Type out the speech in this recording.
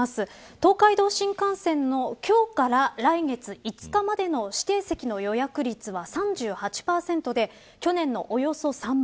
東海道新幹線の今日から来月５日までの指定席の予約率は３８％で、去年のおよそ３倍。